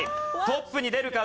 トップに出るか？